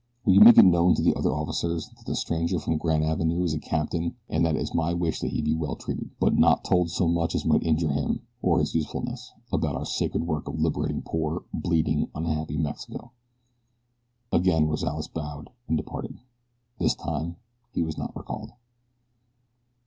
Will you make it known to the other officers that the stranger from Granavenoo is a captain and that it is my wish that he be well treated, but not told so much as might injure him, or his usefulness, about our sacred work of liberating poor, bleeding unhappy Mexico." Again Rozales bowed and departed. This time he was not recalled.